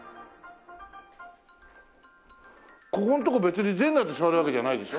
ここんとこ別に全裸で座るわけじゃないでしょ？